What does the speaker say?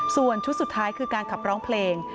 ส่วนชุดสุดท้ายคือการขับร้องเพลง